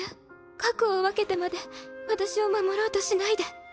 核を分けてまで私を守ろうとしないで。